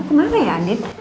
kemana ya andin